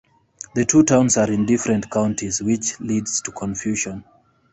The two towns are in different counties, which leads to confusion.